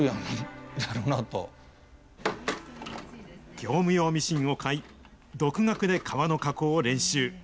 業務用ミシンを買い、独学で革の加工を練習。